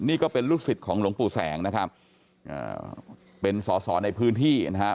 นี่ก็เป็นลูกศิษย์ของหลวงปู่แสงนะครับเป็นสอสอในพื้นที่นะฮะ